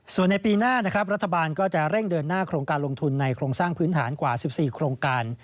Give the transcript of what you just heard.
ส่วนในปีหน้านะครับรัฐบาลก็จะเร่งเดินหน้าโครงการลงทุนในโครงสร้างพื้นฐานกว่า๑๔โครงการ